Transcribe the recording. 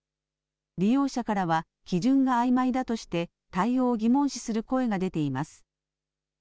利用者からは基準があいまいだとして対応を疑問視する声が出ています。